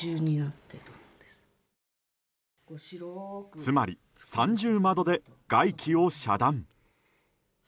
つまり三重窓で外気を遮断。